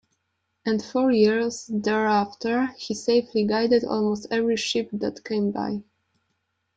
And for years thereafter, he safely guided almost every ship that came by.